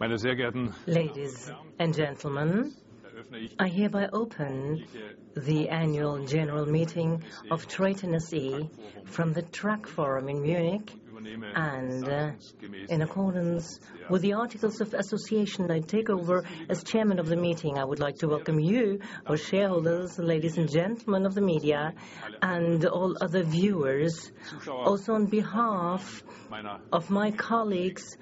Ladies and gentlemen, I hereby open the Annual General Meeting of TRATON SE from the Truck Forum in Munich and in accordance with the articles of association I take over as chairman of the meeting. I would like to welcome you, our shareholders, ladies and gentlemen of the media, and all other viewers. Also on behalf of my colleagues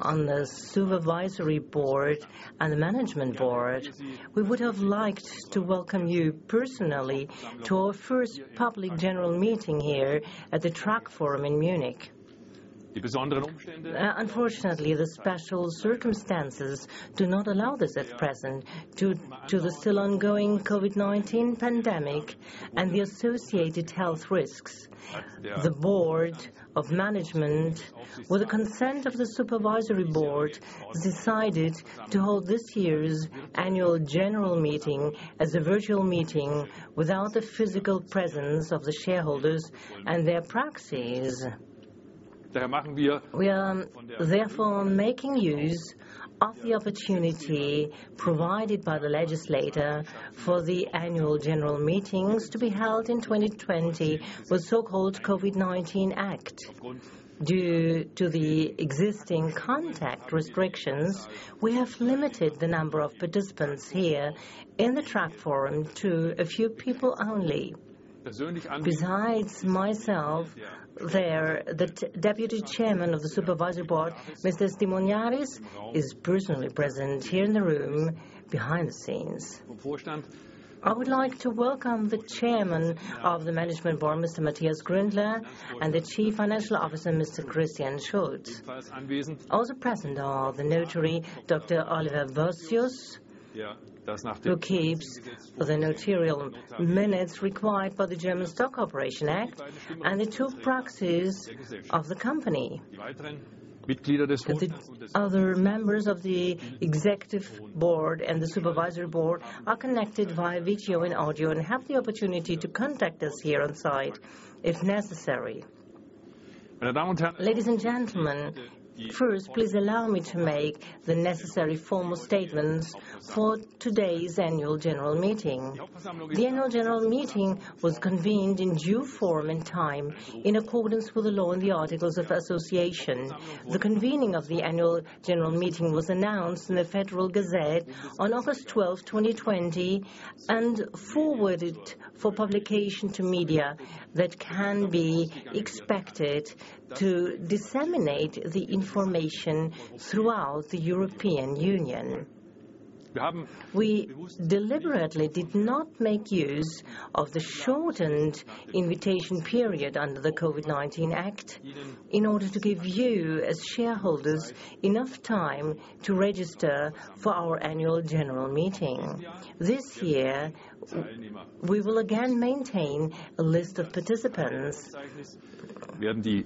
on the supervisory board and the management board, we would have liked to welcome you personally to our first public general meeting here at the Truck Forum in Munich. Unfortunately, the special circumstances do not allow this at present due to the still ongoing COVID-19 pandemic and the associated health risks. The board of management, with the consent of the supervisory board, decided to hold this year's annual general meeting as a virtual meeting without the physical presence of the shareholders and their proxies. We are therefore making use of the opportunity provided by the legislator for the annual general meetings to be held in 2020 with so-called COVID-19 Act. Due to the existing contact restrictions, we have limited the number of participants here in the Truck Forum to a few people only. Besides myself, the Deputy Chairman of the Supervisory Board, Mr. Stimoniaris, is personally present here in the room behind the scenes. I would like to welcome the Chairman of the Management Board, Mr. Matthias Gründler, and the Chief Financial Officer, Mr. Christian Schulz. Also present are the Notary Dr. Oliver Vossius, who keeps the notarial minutes required by the German Stock Corporation Act, and the two proxies of the company. The other members of the Executive Board and the Supervisory Board are connected via video and audio and have the opportunity to contact us here on site if necessary. Ladies and gentlemen, first please allow me to make the necessary formal statements for today's annual general meeting. The annual general meeting was convened in due form and time in accordance with the law and the articles of association. The convening of the annual general meeting was announced in the Federal Gazette on August 12th, 2020, and forwarded for publication to media that can be expected to disseminate the information throughout the European Union. We deliberately did not make use of the shortened invitation period under the COVID-19 Act in order to give you as shareholders enough time to register for our annual general meeting. This year, we will again maintain a list of participants. The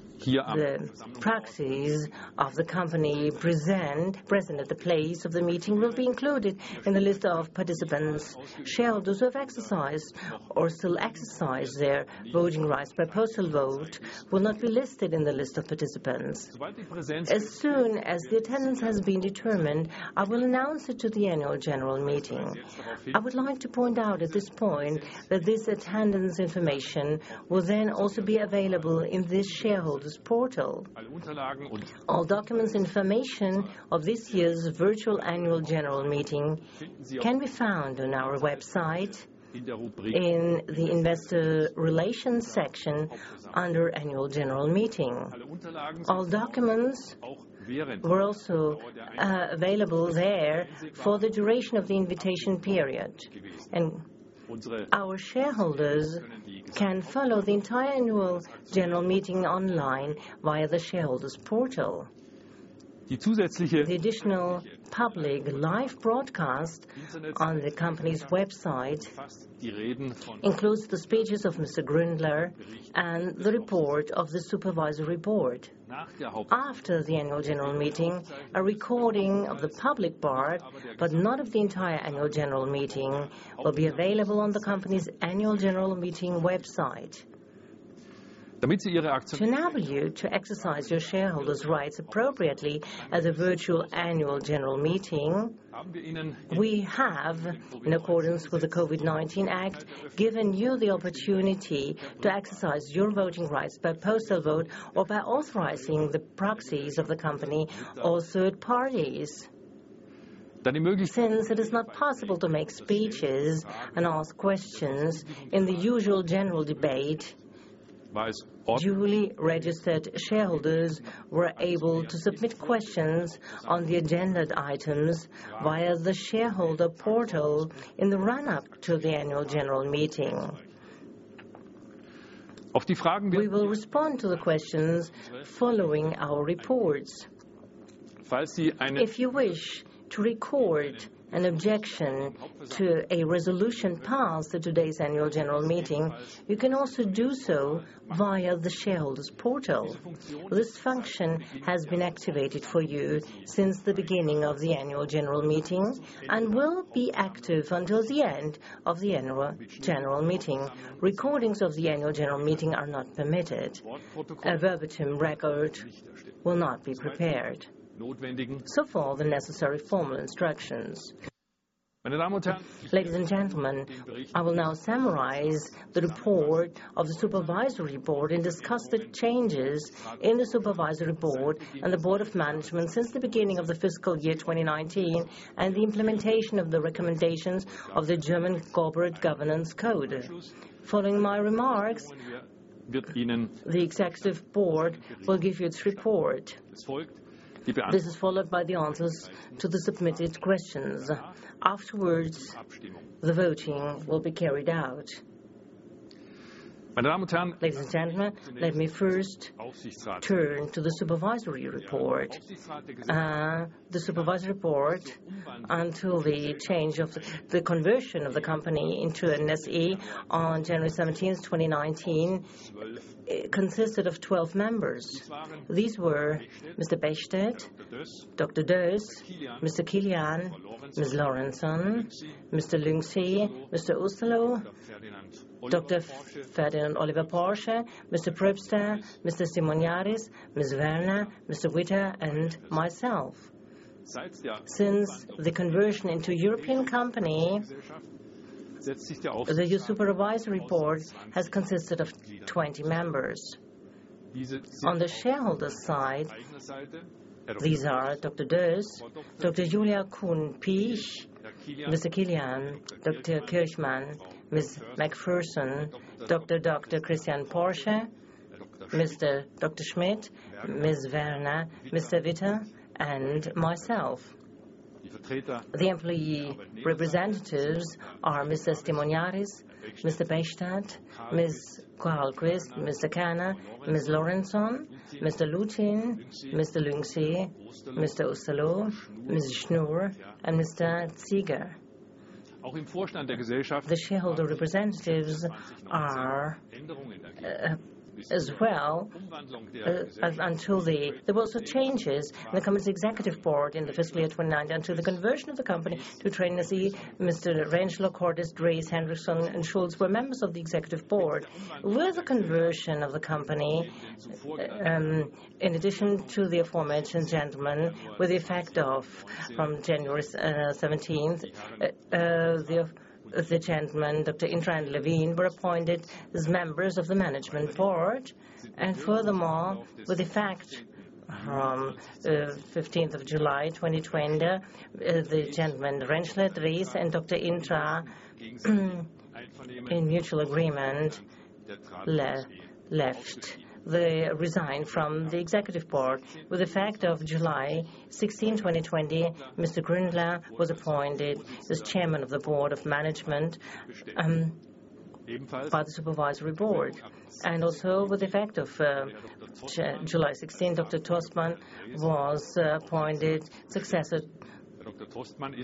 proxies of the company present at the place of the meeting will be included in the list of participants. Shareholders who have exercised or still exercise their voting rights by postal vote will not be listed in the list of participants. As soon as the attendance has been determined, I will announce it to the Annual General Meeting. I would like to point out at this point that this attendance information will then also be available in the shareholders portal. All documents information of this year's virtual Annual General Meeting can be found on our website in the investor relations section under Annual General Meeting. Our shareholders can follow the entire Annual General Meeting online via the shareholders portal. The additional public live broadcast on the company's website includes the speeches of Mr. Gründler and the report of the Supervisory Board. After the annual general meeting, a recording of the public part, but not of the entire annual general meeting, will be available on the company's annual general meeting website. To enable you to exercise your shareholders' rights appropriately at the virtual annual general meeting, we have, in accordance with the COVID-19 Act, given you the opportunity to exercise your voting rights by postal vote or by authorizing the proxies of the company or third parties. Since it is not possible to make speeches and ask questions in the usual general debate, duly registered shareholders were able to submit questions on the agenda items via the shareholder portal in the run-up to the annual general meeting. We will respond to the questions following our reports. If you wish to record an objection to a resolution passed at today's annual general meeting, you can also do so via the shareholders portal. This function has been activated for you since the beginning of the annual general meeting and will be active until the end of the annual general meeting. Recordings of the annual general meeting are not permitted. A verbatim record will not be prepared. For the necessary formal instructions. Ladies and gentlemen, I will now summarize the report of the supervisory board and discuss the changes in the Supervisory Board and the board of management since the beginning of the fiscal year 2019, and the implementation of the recommendations of the German Corporate Governance Code. Following my remarks, the executive board will give you its report. This is followed by the answers to the submitted questions. Afterwards, the voting will be carried out. Ladies and gentlemen, let me first turn to the supervisory report. The Supervisory Board, until the conversion of the company into an SE on January 17th, 2019, consisted of 12 members. These were Mr. Bechstädt, Dr. Döss, Mr. Kilian, Ms. Werner, Mr. Lyngsie, Mr. Osterloh, Dr. Ferdinand Oliver Porsche, Mr. Priebster, Mr. Stimoniaris, Ms. Werner, Mr. Witter, and myself. Since the conversion into a European company, the Supervisory Board has consisted of 20 members. On the shareholder side, these are Dr. Döss, Dr. Julia Kuhn-Piëch, Mr. Kilian, Dr. Kirchmann, Ms. Macpherson, Dr. Christian Porsche, Dr. Schmid, Ms. Werner, Mr. Witter, and myself. The employee representatives are Mr. Stimoniaris, Mr. Bechstädt, Ms. Carlquist, Mr. Kerner, Ms. Werner, Mr. Luthin, Mr. Lyngsie, Mr. Osterloh, Ms. Schnur, and Mr. Zieger. The shareholder representatives are as well, until there were also changes in the company's Executive Board in the fiscal year 2019, until the conversion of the company to TRATON SE, Mr. Renschler, Cortes, Drees, Henriksson, and Schulz were members of the Executive Board. With the conversion of the company, in addition to the aforementioned gentlemen, with effect from January 17th, Dr. Intra and Levin were appointed as members of the Management Board. Furthermore, with effect from July 15th, 2020, Mr. Renschler, Drees, and Dr. Intra, in mutual agreement, resigned from the Executive Board. With effect of July 16, 2020, Mr. Gründler was appointed as Chairman of the Management Board by the Supervisory Board. Also, with effect of July 16, Dr. Tostmann was appointed successor. Dr. Tostmann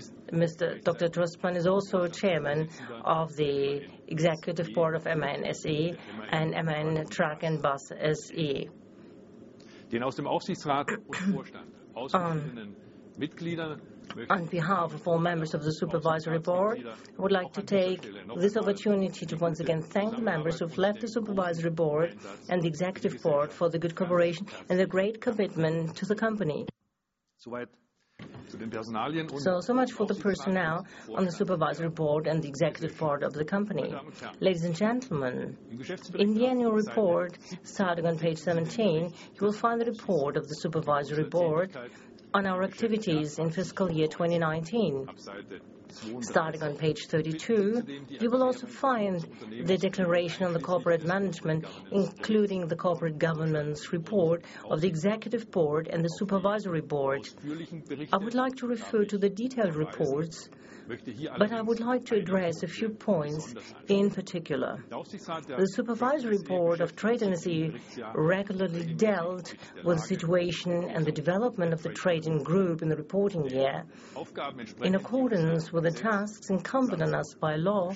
is also Chairman of the Executive Board of MAN SE and MAN Truck & Bus SE. On behalf of all members of the supervisory board, I would like to take this opportunity to once again thank the members who've left the supervisory board and the executive board for the good cooperation and their great commitment to the company. Much for the personnel on the supervisory board and the executive board of the company. Ladies and gentlemen, in the annual report, starting on page 17, you will find the report of the supervisory board on our activities in fiscal year 2019. Starting on page 32, you will also find the declaration on the corporate management, including the Corporate Governance Report of the executive board and the supervisory board. I would like to refer to the detailed reports, but I would like to address a few points in particular. The Supervisory Board of TRATON SE regularly dealt with the situation and the development of the TRATON Group in the reporting year. In accordance with the tasks incumbent on us by law,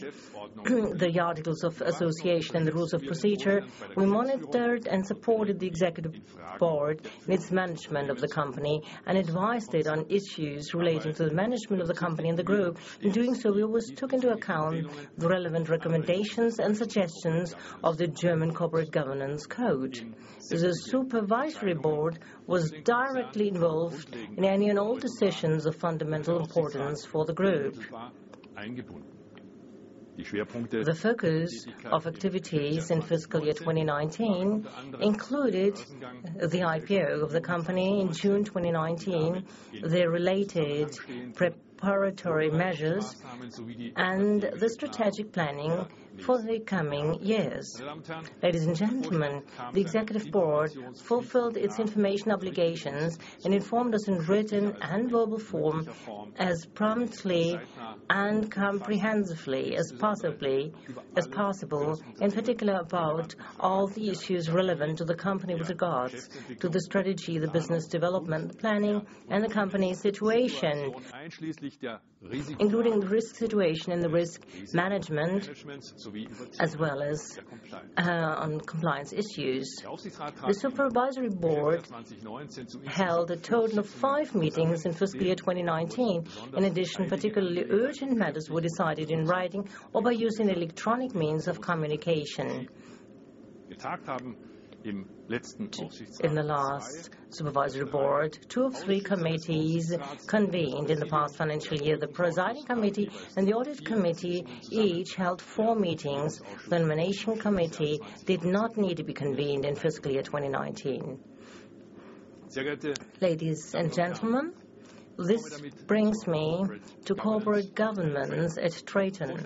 the articles of association, and the rules of procedure, we monitored and supported the Executive Board in its management of the company and advised it on issues relating to the management of the company and the group. In doing so, we always took into account the relevant recommendations and suggestions of the German Corporate Governance Code. The Supervisory Board was directly involved in any and all decisions of fundamental importance for the group. The focus of activities in fiscal year 2019 included the IPO of the company in June 2019, the related preparatory measures, and the strategic planning for the coming years. Ladies and gentlemen, the Executive Board fulfilled its information obligations and informed us in written and verbal form as promptly and comprehensively as possible. In particular, about all the issues relevant to the company with regard to the strategy, the business development, the planning, and the company situation, including the risk situation and the risk management, as well as on compliance issues. The Supervisory Board held a total of five meetings in fiscal year 2019. In addition, particularly urgent matters were decided in writing or by using electronic means of communication. In the last Supervisory Board, two of three committees convened in the past fiscal year. The Presiding Committee and the Audit Committee each held four meetings. The Nomination Committee did not need to be convened in fiscal year 2019. Ladies and gentlemen, this brings me to Corporate Governance at TRATON.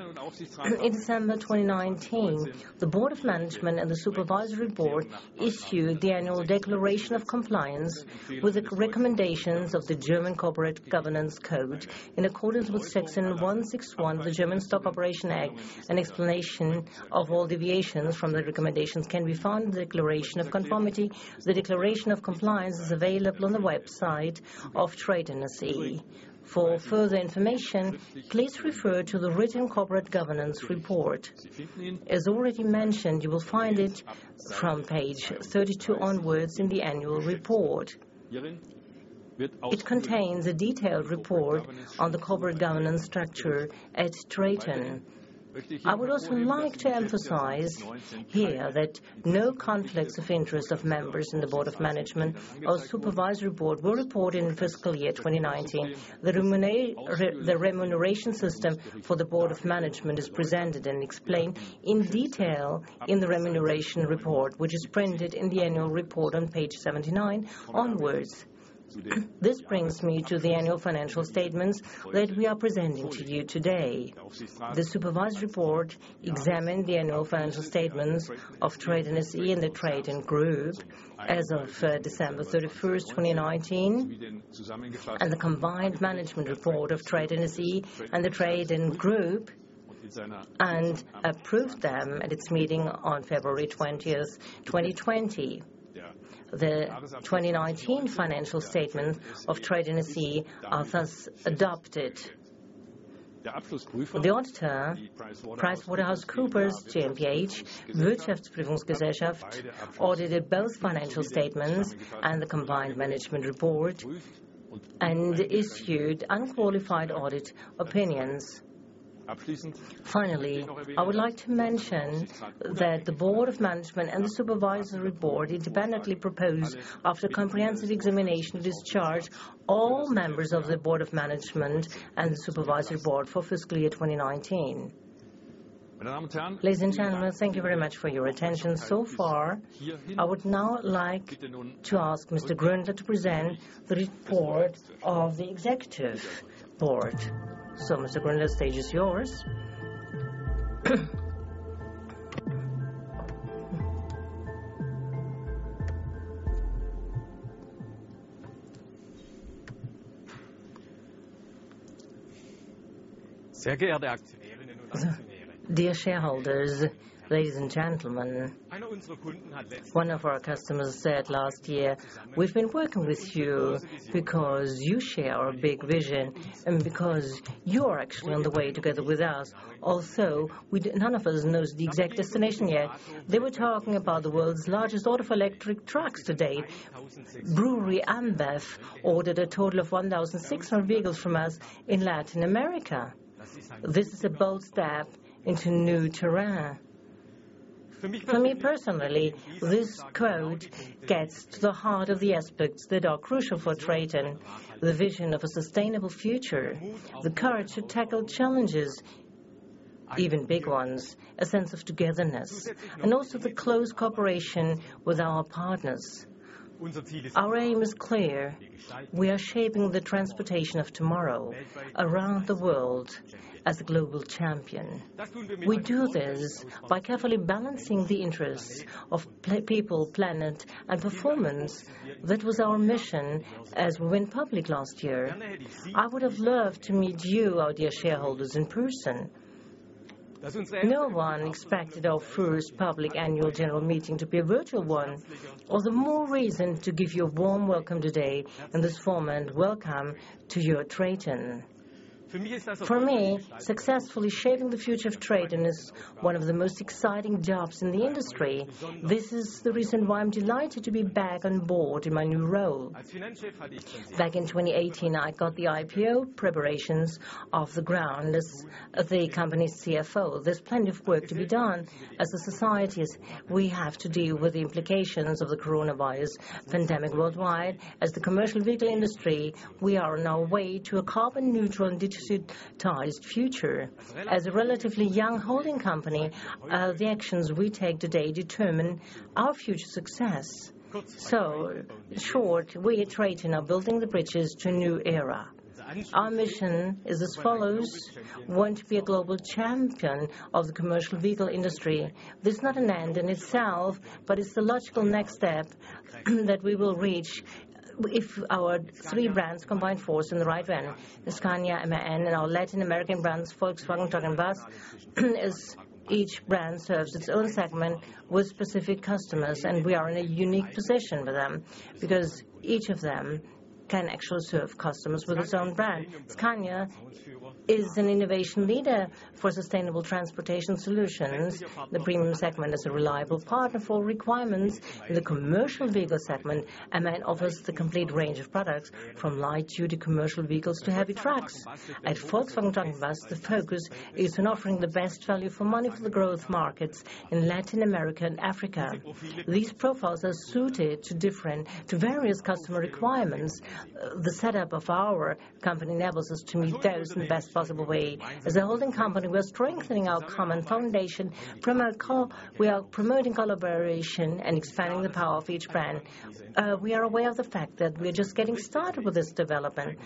In December 2019, the Board of Management and the Supervisory Board issued the annual declaration of compliance with the recommendations of the German Corporate Governance Code. In accordance with Section 161 of the German Stock Corporation Act, an explanation of all deviations from the recommendations can be found in the declaration of conformity. The declaration of compliance is available on the website of TRATON SE. For further information, please refer to the written corporate governance report. As already mentioned, you will find it from page 32 onwards in the annual report. It contains a detailed report on the corporate governance structure at TRATON. I would also like to emphasize here that no conflicts of interest of members in the Board of Management or Supervisory Board were reported in fiscal year 2019. The remuneration system for the Board of Management is presented and explained in detail in the remuneration report, which is printed in the annual report on page 79 onwards. This brings me to the annual financial statements that we are presenting to you today. The Supervisory Board examined the annual financial statements of TRATON SE and the TRATON GROUP as of December 31st, 2019, and the combined management report of TRATON SE and the TRATON GROUP, and approved them at its meeting on February 20th, 2020. The 2019 financial statement of TRATON SE are thus adopted. The auditor, PricewaterhouseCoopers GmbH Wirtschaftsprüfungsgesellschaft, audited both financial statements and the combined management report and issued unqualified audit opinions. Finally, I would like to mention that the Board of Management and the Supervisory Board independently proposed, after comprehensive examination, discharge all members of the Board of Management and the Supervisory Board for fiscal year 2019. Ladies and gentlemen, thank you very much for your attention so far. I would now like to ask Mr. Gründler to present the report of the Executive Board. Mr. Gründler, the stage is yours. Dear shareholders, ladies and gentlemen. One of our customers said last year, "We've been working with you because you share our big vision and because you're actually on the way together with us, although none of us knows the exact destination yet." They were talking about the world's largest order for electric trucks to date. Brewery Ambev ordered a total of 1,600 vehicles from us in Latin America. This is a bold step into new terrain. For me personally, this quote gets to the heart of the aspects that are crucial for TRATON, the vision of a sustainable future, the courage to tackle challenges, even big ones, a sense of togetherness, and also the close cooperation with our partners. Our aim is clear. We are shaping the transportation of tomorrow around the world as a global champion. We do this by carefully balancing the interests of people, planet, and performance. That was our mission as we went public last year. I would have loved to meet you, our dear shareholders, in person. No one expected our first public Annual General Meeting to be a virtual one. All the more reason to give you a warm welcome today in this form and welcome to your TRATON. For me, successfully shaping the future of TRATON is one of the most exciting jobs in the industry. This is the reason why I'm delighted to be back on board in my new role. Back in 2018, I got the IPO preparations off the ground as the company's CFO. There's plenty of work to be done. As a society, we have to deal with the implications of the coronavirus pandemic worldwide. As the commercial vehicle industry, we are on our way to a carbon neutral and digitized future. As a relatively young holding company, the actions we take today determine our future success. In short, we at TRATON are building the bridges to a new era. Our mission is as follows: We want to be a global champion of the commercial vehicle industry. This is not an end in itself, but it's the logical next step that we will reach if our three brands combine force in the right manner. Scania, MAN, and our Latin American brands, Volkswagen Truck & Bus, as each brand serves its own segment with specific customers, and we are in a unique position with them because each of them can actually serve customers with its own brand. Scania is an innovation leader for sustainable transportation solutions. The premium segment is a reliable partner for requirements in the commercial vehicle segment, and then offers the complete range of products from light-duty commercial vehicles to heavy trucks. At Volkswagen Truck & Bus, the focus is on offering the best value for money for the growth markets in Latin America and Africa. These profiles are suited to various customer requirements. The setup of our company enables us to meet those in the best possible way. As a holding company, we're strengthening our common foundation. We are promoting collaboration and expanding the power of each brand. We are aware of the fact that we are just getting started with this development.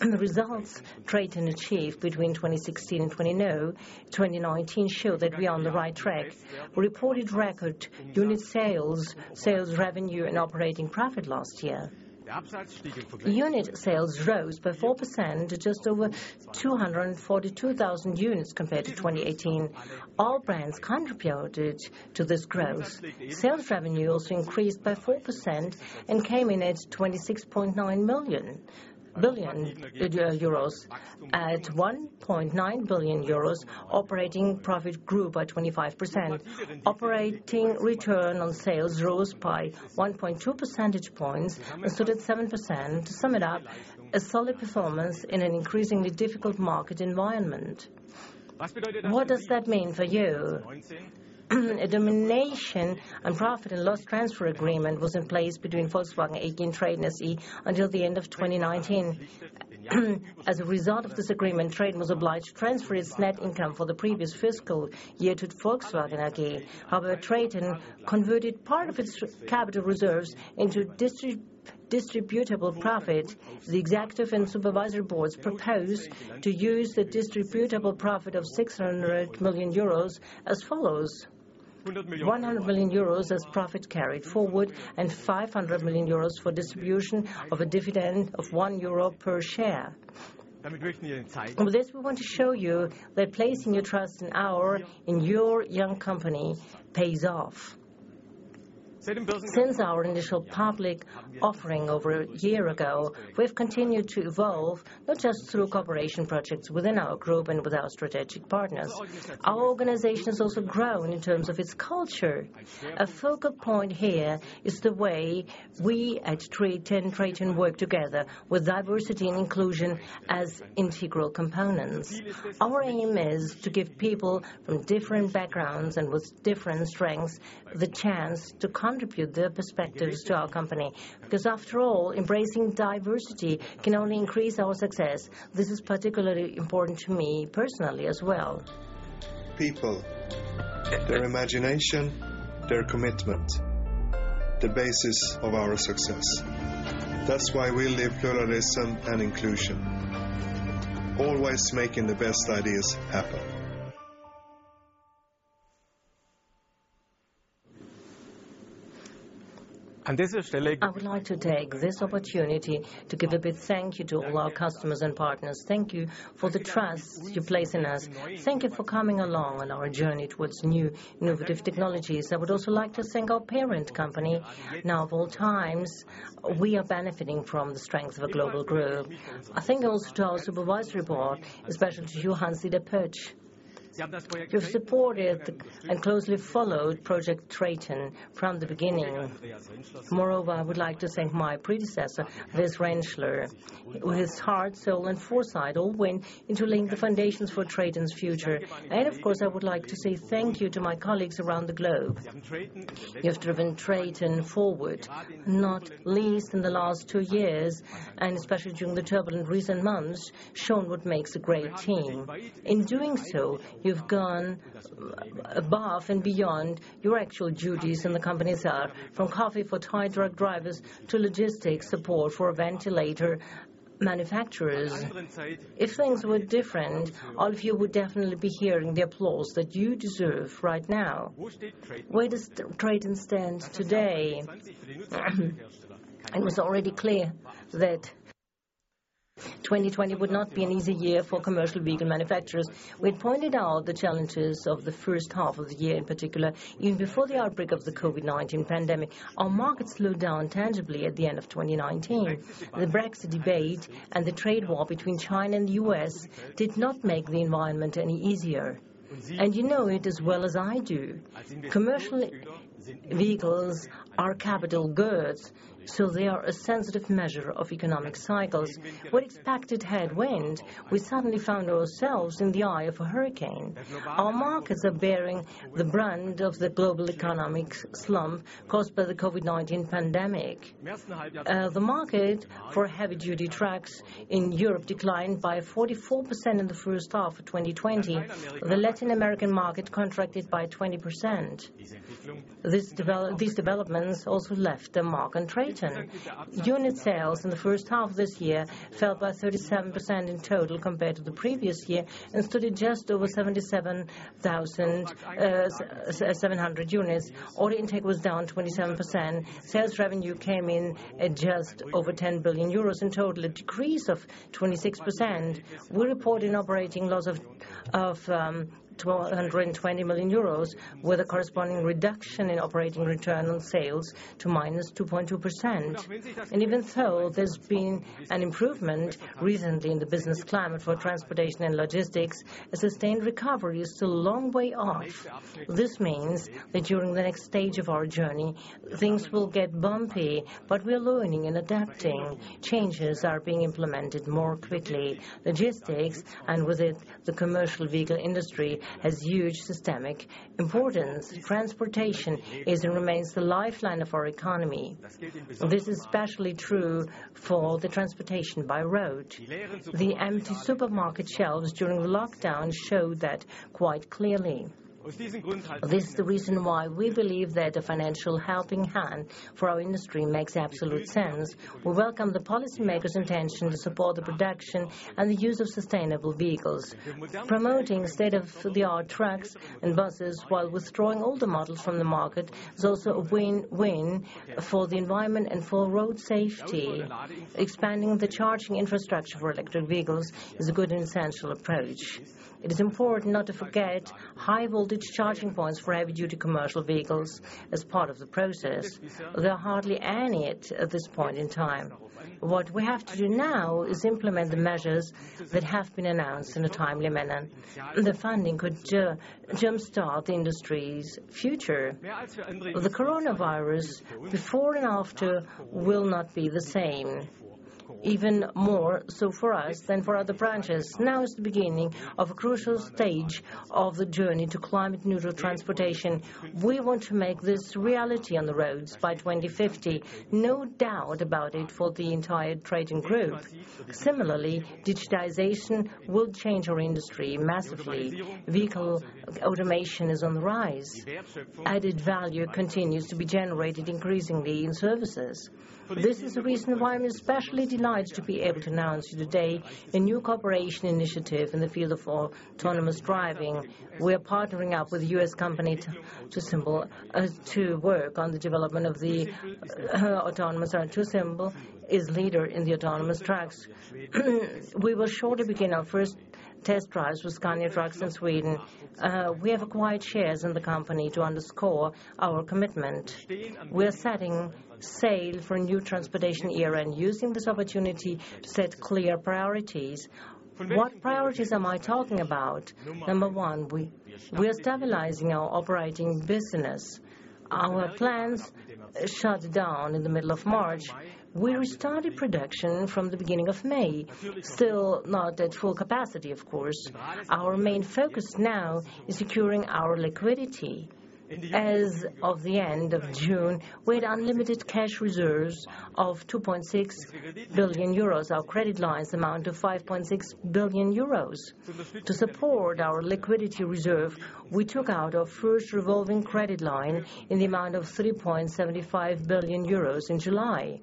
The results TRATON achieved between 2016 and 2019 show that we are on the right track. We reported record unit sales revenue, and operating profit last year. Unit sales rose by 4% to just over 242,000 units compared to 2018. All brands contributed to this growth. Sales revenue also increased by 4% and came in at 26.9 billion euros. At 1.9 billion euros, operating profit grew by 25%. Operating return on sales rose by 1.2 percentage points and stood at 7%. To sum it up, a solid performance in an increasingly difficult market environment. What does that mean for you? A domination and profit and loss transfer agreement was in place between Volkswagen AG and TRATON SE until the end of 2019. As a result of this agreement, TRATON was obliged to transfer its net income for the previous fiscal year to Volkswagen AG. However, TRATON converted part of its capital reserves into distributable profit. The executive and supervisory boards proposed to use the distributable profit of 600 million euros as follows: 100 million euros as profit carried forward and 500 million euros for distribution of a dividend of 1 euro per share. With this, we want to show you that placing your trust in your young company pays off. Since our initial public offering over a year ago, we've continued to evolve, not just through cooperation projects within our group and with our strategic partners. Our organization has also grown in terms of its culture. A focal point here is the way we at TRATON work together with diversity and inclusion as integral components. Our aim is to give people from different backgrounds and with different strengths the chance to contribute their perspectives to our company, because after all, embracing diversity can only increase our success. This is particularly important to me personally as well. People, their imagination, their commitment, the basis of our success. That's why we live pluralism and inclusion, always making the best ideas happen. I would like to take this opportunity to give a big thank you to all our customers and partners. Thank you for the trust you place in us. Thank you for coming along on our journey towards new innovative technologies. I would also like to thank our parent company. Now of all times, we are benefiting from the strength of a global group. A thank you also to our supervisory board, especially to Hans Dieter Pötsch, who have supported and closely followed project TRATON from the beginning. Moreover, I would like to thank my predecessor, Andreas Renschler. His heart, soul, and foresight all went into laying the foundations for TRATON's future. Of course, I would like to say thank you to my colleagues around the globe, who have driven TRATON forward, not least in the last two years, and especially during the turbulent recent months, shown what makes a great team. In doing so, you've gone above and beyond your actual duties in the companies, from coffee for tired truck drivers to logistics support for ventilator manufacturers. If things were different, all of you would definitely be hearing the applause that you deserve right now. Where does TRATON stand today? It was already clear that 2020 would not be an easy year for commercial vehicle manufacturers. We had pointed out the challenges of the first half of the year, in particular. Even before the outbreak of the COVID-19 pandemic, our market slowed down tangibly at the end of 2019. The Brexit debate and the trade war between China and the U.S. did not make the environment any easier. You know it as well as I do. Commercial vehicles are capital goods, so they are a sensitive measure of economic cycles. What expected headwind, we suddenly found ourselves in the eye of a hurricane. Our markets are bearing the brand of the global economic slump caused by the COVID-19 pandemic. The market for heavy-duty trucks in Europe declined by 44% in the H1 of 2020. The Latin American market contracted by 20%. These developments also left their mark on TRATON. Unit sales in the H1 of this year fell by 37% in total compared to the previous year and stood at just over 77,700 units. Order intake was down 27%. Sales revenue came in at just over 10 billion euros in total, a decrease of 26%. We reported an operating loss of 120 million euros with a corresponding reduction in operating return on sales to -2.2%. Even so, there's been an improvement recently in the business climate for transportation and logistics. A sustained recovery is still a long way off. This means that during the next stage of our journey, things will get bumpy, but we are learning and adapting. Changes are being implemented more quickly. Logistics, and with it, the commercial vehicle industry, has huge systemic importance. Transportation is and remains the lifeline of our economy. This is especially true for the transportation by road. The empty supermarket shelves during the lockdown showed that quite clearly. This is the reason why we believe that a financial helping hand for our industry makes absolute sense. We welcome the policymakers' intention to support the production and the use of sustainable vehicles. Promoting state-of-the-art trucks and buses while withdrawing older models from the market is also a win-win for the environment and for road safety. Expanding the charging infrastructure for electric vehicles is a good and essential approach. It is important not to forget high voltage charging points for heavy duty commercial vehicles as part of the process. There are hardly any at this point in time. What we have to do now is implement the measures that have been announced in a timely manner. The funding could jumpstart the industry's future. The COVID-19 before and after will not be the same. Even more so for us than for other branches. Now is the beginning of a crucial stage of the journey to climate neutral transportation. We want to make this reality on the roads by 2050, no doubt about it, for the entire TRATON GROUP. Similarly, digitization will change our industry massively. Vehicle automation is on the rise. Added value continues to be generated increasingly in services. This is the reason why I'm especially delighted to be able to announce today a new cooperation initiative in the field of autonomous driving. We are partnering up with a U.S. company, TuSimple, to work on the development of the autonomous TuSimple is leader in the autonomous trucks. We will shortly begin our first test drives with Scania trucks in Sweden. We have acquired shares in the company to underscore our commitment. We are setting sail for a new transportation era and using this opportunity to set clear priorities. What priorities am I talking about? Number 1, we are stabilizing our operating business. Our plants shut down in the middle of March. We restarted production from the beginning of May. Still not at full capacity, of course. Our main focus now is securing our liquidity. As of the end of June, we had unlimited cash reserves of 2.6 billion euros. Our credit lines amount to 5.6 billion euros. To support our liquidity reserve, we took out our first revolving credit line in the amount of 3.75 billion euros in July.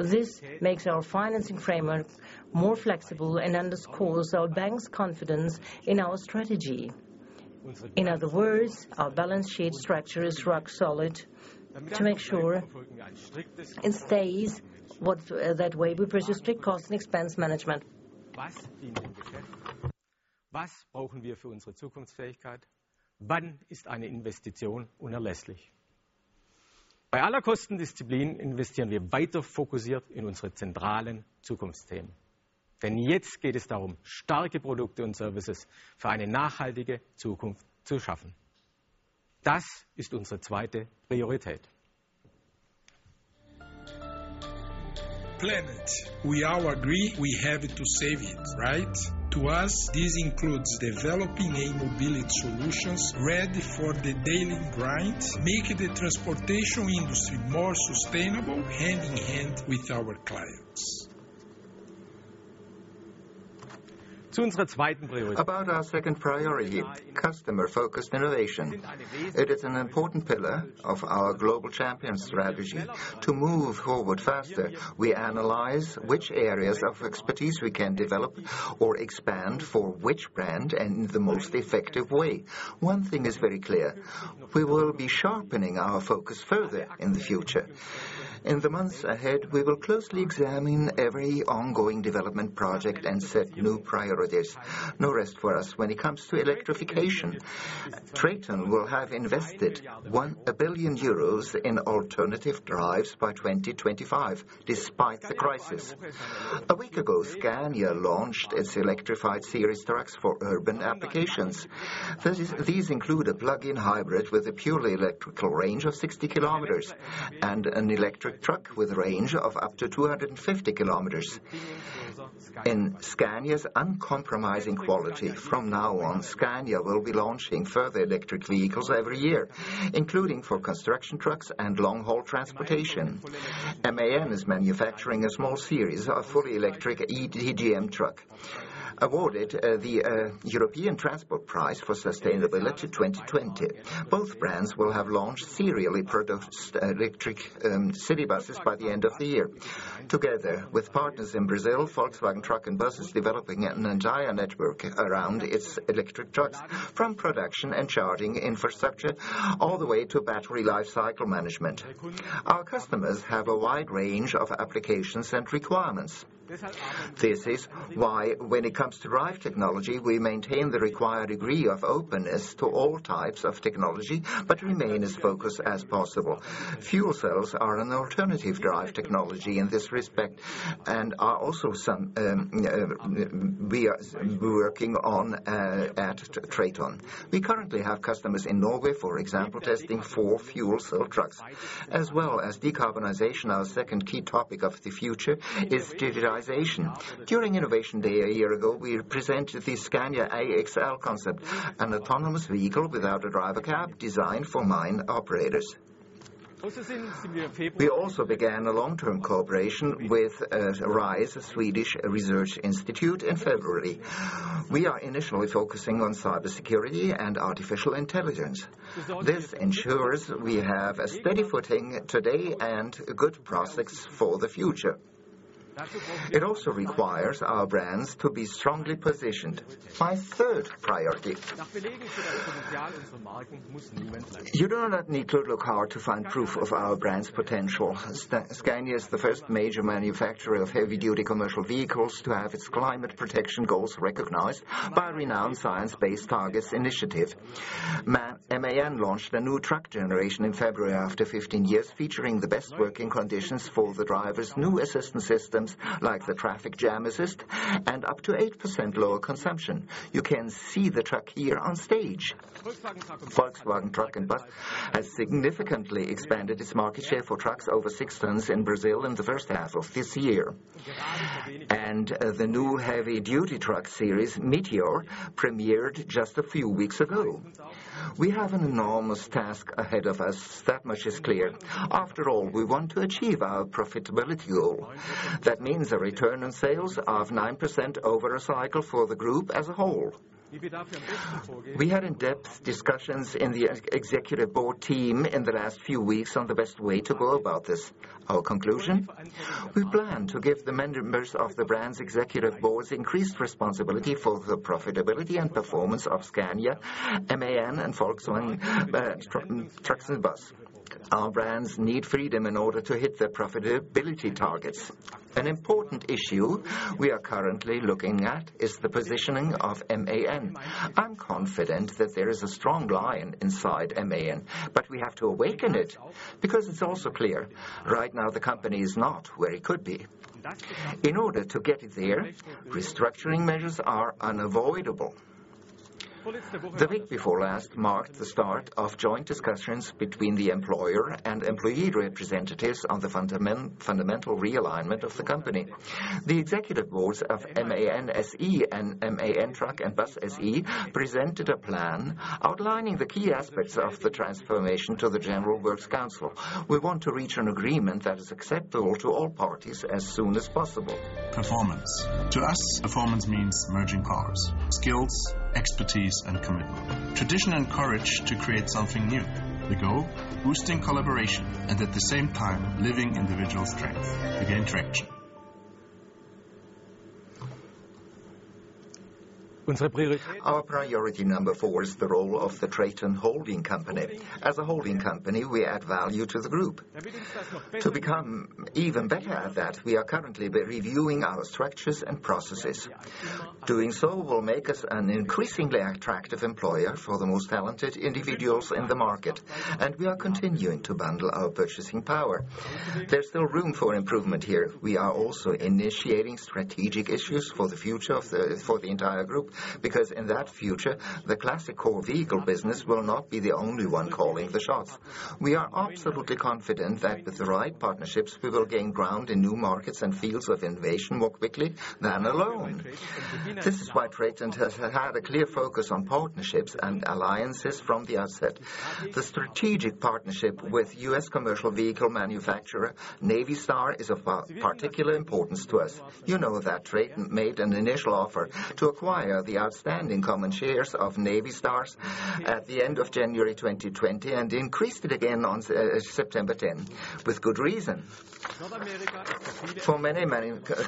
This makes our financing framework more flexible and underscores our bank's confidence in our strategy. In other words, our balance sheet structure is rock solid. To make sure it stays that way, we pursue strict cost and expense management. Planet. We all agree we have to save it, right? To us, this includes developing e-mobility solutions ready for the daily grind, making the transportation industry more sustainable, hand in hand with our clients. About our second priority, customer-focused innovation. It is an important pillar of our global champion strategy to move forward faster. We analyze which areas of expertise we can develop or expand, for which brand, and in the most effective way. One thing is very clear, we will be sharpening our focus further in the future. In the months ahead, we will closely examine every ongoing development project and set new priorities. No rest for us. When it comes to electrification, TRATON will have invested 1 billion euros in alternative drives by 2025, despite the crisis. A week ago, Scania launched its electrified series trucks for urban applications. These include a plug-in hybrid with a purely electrical range of 60 km, and an electric truck with a range of up to 250 km. In Scania's uncompromising quality, from now on, Scania will be launching further electric vehicles every year, including for construction trucks and long-haul transportation. MAN is manufacturing a small series, a fully electric eTGM truck. Awarded the European Transport Prize for Sustainability 2020. Both brands will have launched serially produced electric city buses by the end of the year. Together with partners in Brazil, Volkswagen Truck & Bus is developing an entire network around its electric trucks from production and charging infrastructure, all the way to battery life cycle management. Our customers have a wide range of applications and requirements. This is why when it comes to drive technology, we maintain the required degree of openness to all types of technology, but remain as focused as possible. Fuel cells are an alternative drive technology in this respect and we are working on at TRATON. We currently have customers in Norway, for example, testing four fuel cell trucks. As well as decarbonization, our second key topic of the future is digitization. During Innovation Day a year ago, we presented the Scania AXL concept, an autonomous vehicle without a driver cab designed for mine operators. We also began a long-term cooperation with RISE, a Swedish research institute, in February. We are initially focusing on cybersecurity and artificial intelligence. This ensures we have a steady footing today and good prospects for the future. It also requires our brands to be strongly positioned. My third priority. You do not need to look hard to find proof of our brand's potential. Scania is the first major manufacturer of heavy-duty commercial vehicles to have its climate protection goals recognized by a renowned Science Based Targets initiative. MAN launched a new truck generation in February after 15 years, featuring the best working conditions for the drivers, new assistance systems like the traffic jam assist, and up to 8% lower consumption. You can see the truck here on stage. Volkswagen Truck & Bus has significantly expanded its market share for trucks over 6 tons in Brazil in the first half of this year. The new heavy-duty truck series, Meteor, premiered just a few weeks ago. We have an enormous task ahead of us. That much is clear. After all, we want to achieve our profitability goal. That means a return on sales of 9% over a cycle for the group as a whole. We had in-depth discussions in the executive board team in the last few weeks on the best way to go about this. Our conclusion, we plan to give the members of the brands executive boards increased responsibility for the profitability and performance of Scania, MAN and Volkswagen Truck & Bus. Our brands need freedom in order to hit their profitability targets. An important issue we are currently looking at is the positioning of MAN. I'm confident that there is a strong lion inside MAN, but we have to awaken it because it's also clear right now the company is not where it could be. In order to get it there, restructuring measures are unavoidable. The week before last marked the start of joint discussions between the employer and employee representatives on the fundamental realignment of the company. The executive boards of MAN SE and MAN Truck & Bus SE presented a plan outlining the key aspects of the transformation to the general works council. We want to reach an agreement that is acceptable to all parties as soon as possible. Performance. To us, performance means merging powers, skills, expertise, and commitment. Tradition and courage to create something new. The goal, boosting collaboration and at the same time living individual strength. Begin interaction. Our priority number four is the role of the TRATON holding company. As a holding company, we add value to the group. To become even better at that, we are currently reviewing our structures and processes. Doing so will make us an increasingly attractive employer for the most talented individuals in the market, and we are continuing to bundle our purchasing power. There's still room for improvement here. We are also initiating strategic issues for the future for the entire group because, in that future, the classic core vehicle business will not be the only one calling the shots. We are absolutely confident that with the right partnerships, we will gain ground in new markets and fields of innovation more quickly than alone. This is why TRATON has had a clear focus on partnerships and alliances from the outset. The strategic partnership with U.S. commercial vehicle manufacturer Navistar is of particular importance to us. You know that TRATON made an initial offer to acquire the outstanding common shares of Navistar at the end of January 2020 and increased it again on September 10, with good reason. For many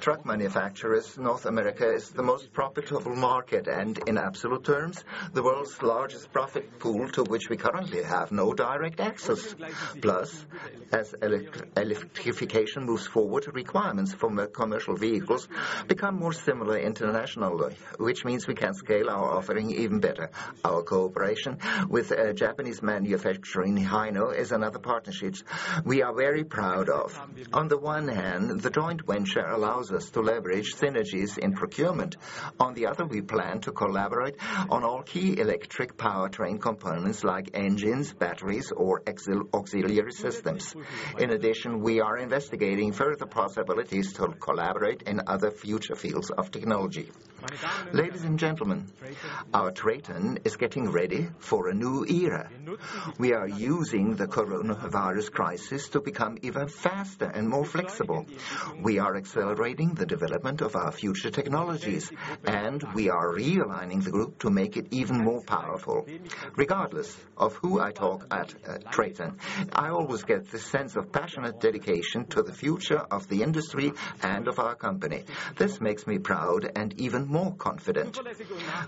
truck manufacturers, North America is the most profitable market and in absolute terms, the world's largest profit pool to which we currently have no direct access. Plus, as electrification moves forward, requirements for commercial vehicles become more similar internationally, which means we can scale our offering even better. Our cooperation with a Japanese manufacturer, Hino, is another partnership we are very proud of. On the one hand, the joint venture allows us to leverage synergies in procurement. On the other, we plan to collaborate on all key electric powertrain components like engines, batteries, or auxiliary systems. In addition, we are investigating further possibilities to collaborate in other future fields of technology. Ladies and gentlemen, our TRATON is getting ready for a new era. We are using the coronavirus crisis to become even faster and more flexible. We are accelerating the development of our future technologies, and we are realigning the group to make it even more powerful. Regardless of who I talk at TRATON, I always get the sense of passionate dedication to the future of the industry and of our company. This makes me proud and even more confident.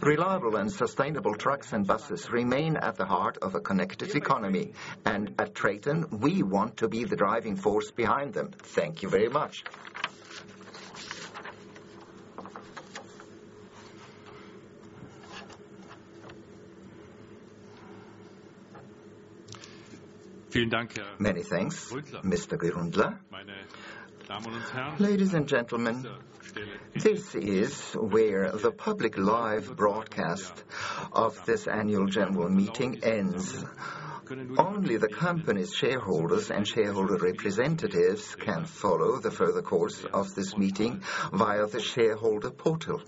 Reliable and sustainable trucks and buses remain at the heart of a connected economy. At TRATON, we want to be the driving force behind them. Thank you very much. Many thanks, Mr. Gründler. Ladies and gentlemen, this is where the public live broadcast of this Annual General Meeting ends. Only the company's shareholders and shareholder representatives can follow the further course of this meeting via the shareholder portal.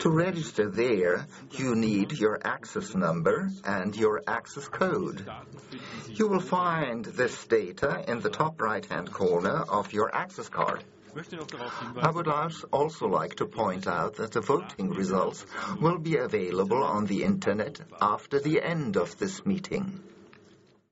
To register there, you need your access number and your access code. You will find this data in the top right-hand corner of your access card. I would also like to point out that the voting results will be available on the internet after the end of this meeting.